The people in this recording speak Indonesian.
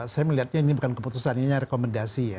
saya melihatnya ini bukan keputusan ini rekomendasi ya